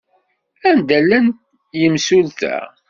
Anda llan yimsulta?